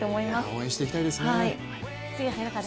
応援していきたいですね。